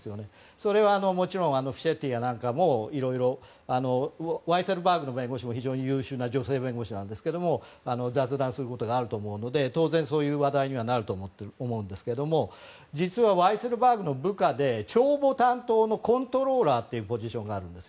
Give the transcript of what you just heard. それはもちろんフィシェッティもワイセルバーグの弁護士も非常に優秀な弁護士なんですが雑談することがあると思うので当然そういう話題になると思うんですが実は、ワイセルバーグの部下で帳簿担当のコントローラーというポジションがあるんです。